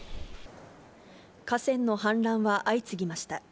河川の氾濫は相次ぎました。